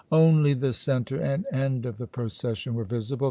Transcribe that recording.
Only the centre and end of the procession were visible.